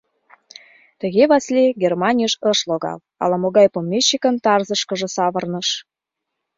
Тыге Васлий Германийыш ыш логал, ала-могай помещикын тарзышкыже савырныш.